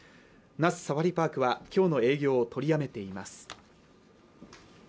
那須サファリパークは今日の営業を取りやめています